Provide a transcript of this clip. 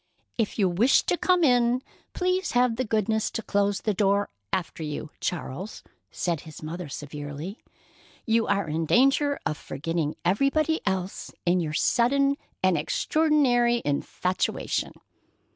"If you wish to come in, please have the goodness to close the door after you, Charles," said his mother severely. "You are in danger of forgetting everybody else in your sudden and extraordinary infatuation."